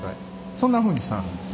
そんなふうにしてあるんです。